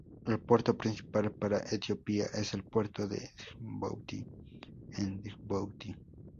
El puerto principal para Etiopía es el puerto de Djibouti en Djibouti.